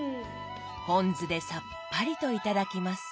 ポン酢でさっぱりと頂きます。